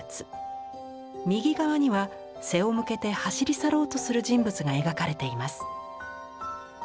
右側には背を向けて走り去ろうとする人物が描かれています。